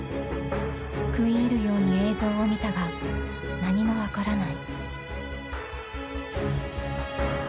［食い入るように映像を見たが何も分からない］